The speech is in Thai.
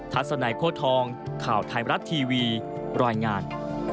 ัศนัยโค้ทองข่าวไทยมรัฐทีวีรายงาน